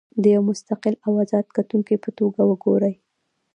د یوه مستقل او ازاد کتونکي په توګه وګورئ.